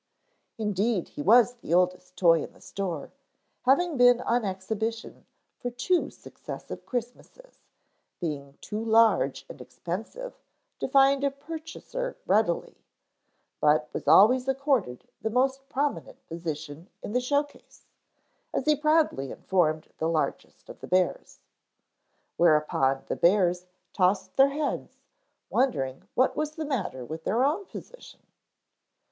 Indeed he was the oldest toy in the store, having been on exhibition for two successive Christmases, being too large and expensive to find a purchaser readily; but was always accorded the most prominent position in the show case, as he proudly informed the largest of the bears. Whereupon the bears tossed their heads, wondering what was the matter with their own position.